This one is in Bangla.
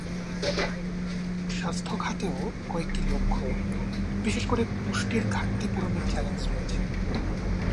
স্বাস্থ্য খাতেও কয়েকটি লক্ষ্য, বিশেষ করে পুষ্টির ঘাটতি পূরণে চ্যালেঞ্জ রয়েছে।